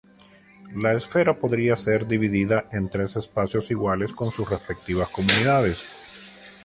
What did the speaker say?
La esfera podría ser dividida en tres espacios iguales con sus respectivas comunidades.